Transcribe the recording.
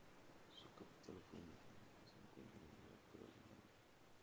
Su capital fue Minden que se encuentra en la actual Alemania.